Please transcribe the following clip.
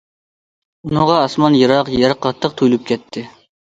ئۇنىڭغا ئاسمان يىراق، يەر قاتتىق تۇيۇلۇپ كەتتى.